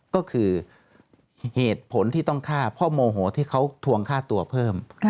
ก็คือเหตุผลที่ต้องฆ่าเพราะโมโหที่เขาทวงฆ่าตัวเพิ่ม